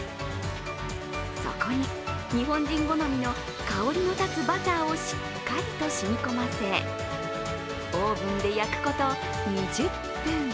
そこに日本人好みの香りの立つバターをしっかりと染み込ませオーブンで焼くこと２０分。